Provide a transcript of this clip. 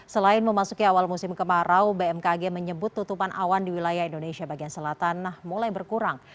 selain memasuki awal musim kemarau bmkg menyebut tutupan awan di wilayah indonesia bagian selatan mulai berkurang